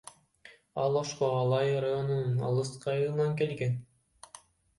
Ал Ошко Алай районунун алыскы айылынан келген.